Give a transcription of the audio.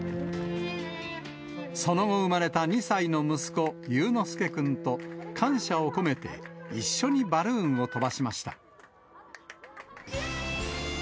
その後、生まれた２歳の息子、ゆうのすけくんと、感謝を込めて一緒にバルーンを飛ばしました。